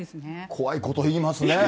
怖いこと言いますね。